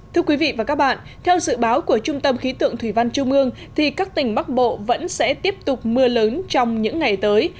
thưa quý vị và các bạn theo dự báo của trung tâm khí tượng thủy văn trung ương thì các tỉnh bắc bộ vẫn sẽ tiếp tục mưa lớn trong những ngày tới